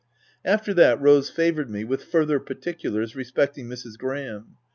After that, Rose favoured me with further particulars respecting Mrs. Graham.